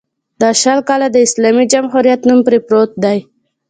دا شل کاله د اسلامي جمهوریت نوم پرې پروت دی.